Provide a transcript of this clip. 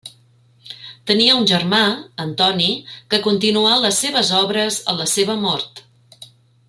Tenia un germà, Antoni, que continuà les seves obres a la seva mort.